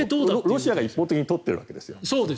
ロシアが一方的に取ってるわけです。